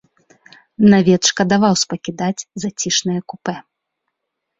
Навет шкадаваў спакідаць зацішнае купэ.